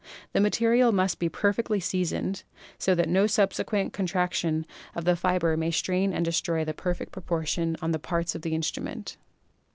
The material must be per fectly seasoned, so that no subsequent contraction of the 134 PHYSICS fiber may strain and destroy the perfect proportion of the parts of the instrument.